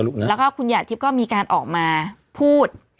แล้วก็คุณหยาดทิพย์ก็มีการออกมาพูด